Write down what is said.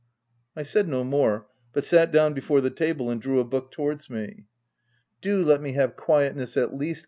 I said no more but sat down before the table and drew a book towards me. " Do let me have quietness at least